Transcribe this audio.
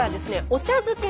お茶漬け！？